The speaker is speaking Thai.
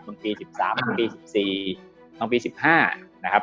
ตอนปี๑๓ตอนปี๑๔ตอนปี๑๕นะครับ